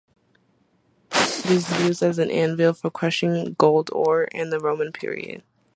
It was used as an anvil for crushing gold ore in the Roman period.